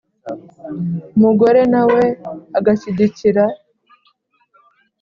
umugore na we agashyigikira